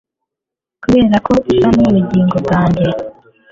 Kuberako usa nubugingo bwanjye